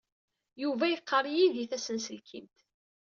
Yuba yeqqar yid-i tasenselkimt.